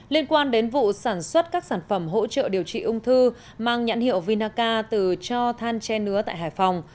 liên quan đến vụ sản xuất các sản phẩm hỗ trợ điều trị ung thư mang nhãn hiệu vinaca từ cho than che nứa tại hải phòng